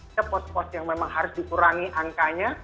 ada post post yang memang harus dikurangi angkanya